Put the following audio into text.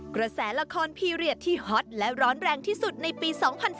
กระแสละครพีเรียสที่ฮอตและร้อนแรงที่สุดในปี๒๐๑๘